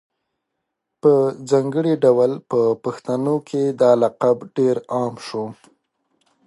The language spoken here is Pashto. په ځانګړي ډول په پښتنو کي دا لقب ډېر عام شو